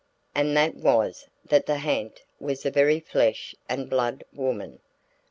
And that was, that the ha'nt was a very flesh and blood woman.